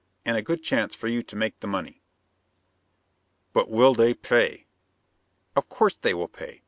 and a good chance for you to make the money." "But will they pay?" "Of course they will pay.